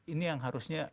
ini yang harusnya